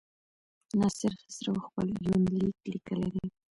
ناصر خسرو خپل يونليک ليکلی دی.